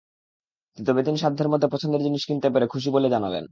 তবে তিনি সাধ্যের মধ্যে পছন্দের জিনিস কিনতে পেরে খুশি বলে জানালেন।